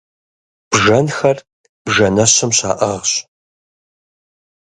Бжэнхэр бжэнэщым щаӏыгъщ.